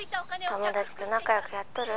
☎友達と仲良くやっとる？